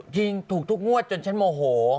ถูกทุกงวดจนฉันโมโห